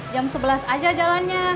jam sebelas aja jalannya